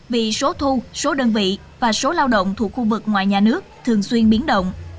vì số thu số đơn vị và số lao động thuộc khu vực ngoài nhà nước thường xuyên biến động